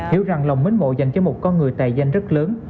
hiểu rằng lòng mến mộ dành cho một con người tài danh rất lớn